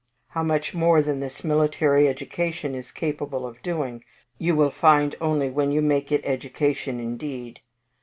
How much more than this military education is capable of doing, you will find only when you make it education indeed.